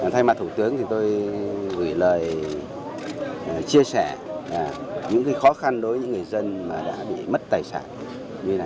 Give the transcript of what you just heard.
thay mặt thủ tướng thì tôi gửi lời chia sẻ những khó khăn đối với người dân đã bị mất tài sản